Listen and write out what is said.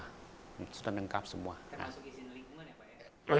kita masuk ke sini lingkungan ya pak